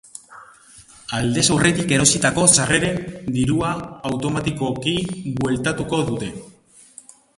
Aldez aurretik erositako sarreren dirua automatikoki bueltatuko dute.